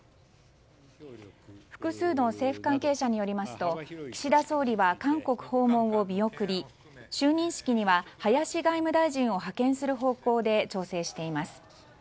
複数の政府関係者によりますと岸田総理は韓国訪問を見送り就任式には林外務大臣を派遣する方向で調整しています。